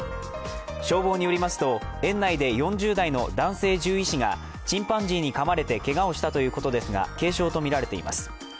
消防によりますと園内で４０代の男性獣医師がチンパンジーにかまれてけがをしたということですが軽傷とみられています。